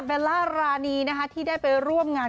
เวลารานีนะคะที่ได้ไปร่วมงาน